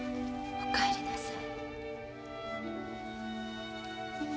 お帰りなさい